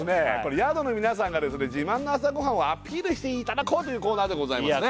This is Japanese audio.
宿の皆さんが自慢の朝ごはんをアピールしていただこうというコーナーですね